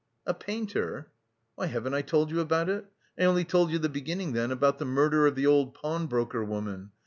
"A painter?" "Why, haven't I told you about it? I only told you the beginning then about the murder of the old pawnbroker woman.